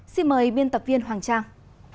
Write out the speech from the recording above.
xin mời biên tập viên hoàng trang